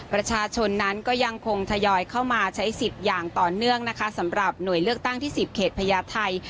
ประชาชนนั้นก็ยังคงทยอยเข้ามาใช้สิทธิ์อย่างต่อเนื่องนะคะสำหรับหน่วยเลือกตั้งที่๑๐เขตพญาไทย